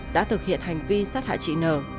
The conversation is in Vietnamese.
đã thực hiện hành vi sát hại trị nờ